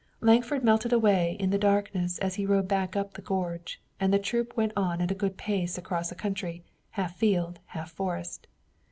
Lankford melted away in the darkness as he rode back up the gorge, and the troop went on at a good pace across a country, half field, half forest.